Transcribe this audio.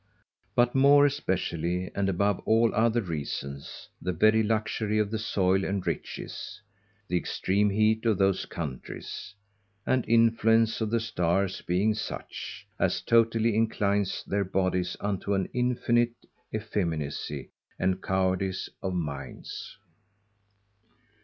But more especially, and above all other reasons, the very luxury of the Soil and Riches, the extreme heat of those Countries, and influence of the Stars being such, as totally inclineth their bodies unto an infinite effeminacy and cowardize of minds.